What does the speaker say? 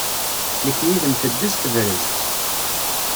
Nekk yid-m teddez tebrez.